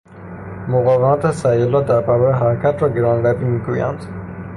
مقاومت سیالات در برابر حرکت را گرانروی میگویند.